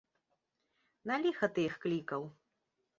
На ліха ты іх клікаў?